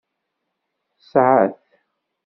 Yesɛa-t.